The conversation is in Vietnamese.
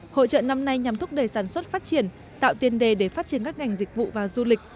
hội trợ năm nay nhằm thúc đẩy sản xuất phát triển tạo tiền đề để phát triển các ngành dịch vụ và du lịch